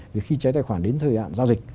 vì khi cháy tài khoản đến thời gian giao dịch